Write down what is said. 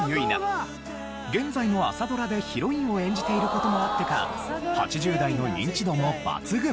現在の朝ドラでヒロインを演じている事もあってか８０代のニンチドも抜群！